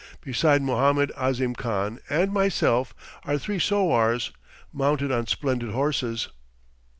Beside Mohammed Ahzim Khan and myself are three sowars, mounted on splendid horses.